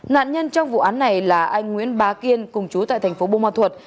nạn nhân trong vụ án này là anh nguyễn bá kiên cùng chú tại thành phố bô ma thuật